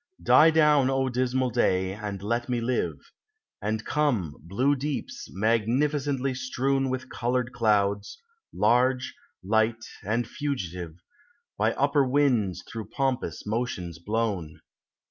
Die down, O dismal day, and let me live; And come, blue deeps, magnificently strewn With colored clouds, — large, light, and fugitive, — By upper winds through pompous motions blown.